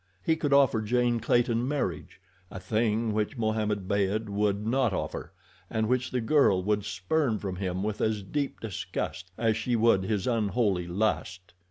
He could offer Jane Clayton marriage—a thing which Mohammed Beyd would not offer, and which the girl would spurn from him with as deep disgust as she would his unholy lust.